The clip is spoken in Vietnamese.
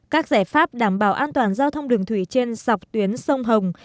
các giải pháp đảm bảo an toàn giao thông đường thủy trên dọc tuyến sông hồng